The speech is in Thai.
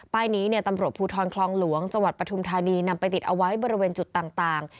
นี้ตำรวจภูทรคลองหลวงจังหวัดปฐุมธานีนำไปติดเอาไว้บริเวณจุดต่าง